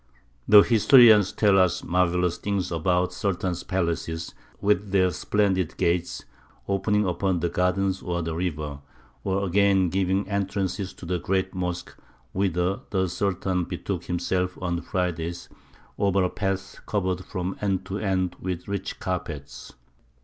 ] The historians tell us marvellous things about the Sultan's palaces, with their splendid gates, opening upon the gardens or the river, or again giving entrance to the Great Mosque, whither the Sultan betook himself on Fridays, over a path covered from end to end with rich carpets.